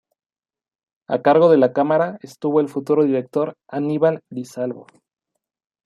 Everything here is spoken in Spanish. A cargo de la cámara estuvo el futuro director Aníbal Di Salvo.